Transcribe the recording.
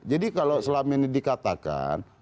jadi kalau selama ini dikatakan